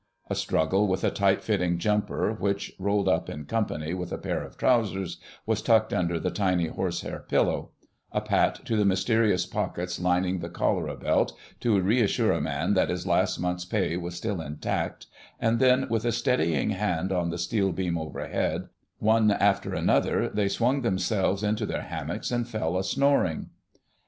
A struggle with a tight fitting jumper, which, rolled up in company with a pair of trousers, was tucked under the tiny horse hair pillow; a pat to the mysterious pockets lining the "cholera belt," to reassure a man that his last month's pay was still intact, and then, with a steadying hand on the steel beam overhead, one after another they swung themselves into their hammocks and fell a snoring.